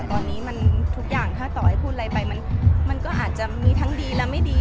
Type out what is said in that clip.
ตอนนี้มันทุกอย่างถ้าต่อให้พูดอะไรไปมันก็อาจจะมีทั้งดีและไม่ดี